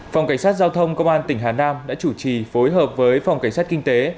phòng cảnh sát giao thông công an tỉnh hà nam đã chủ trì phối hợp với phòng cảnh sát kinh tế